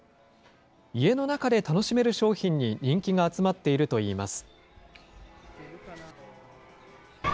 家の中で楽しめる商品に人気が集まっているといいます。